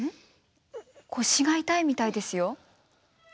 腰が痛いみたいですよ。